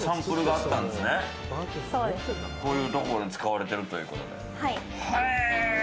こういうところに使われているということで。